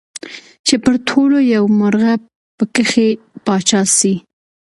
چي پر ټولو یو مرغه پکښي پاچا سي